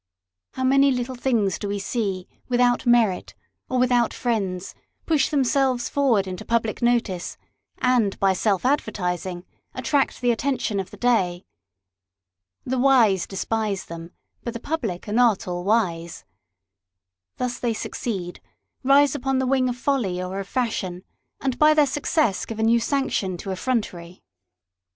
How many little things do we see, without merit, or without friends, push them selves forward into public notice, and by self advertising, attract the attention of the day ! The wise despise them, but the public are not all wise. Thus they succeed ; rise upon the wing of folly or of fashion, and by their success give a new sanction to effrontery.